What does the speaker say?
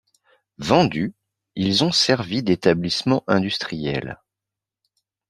Vendus, ils ont servi d'établissements industriels.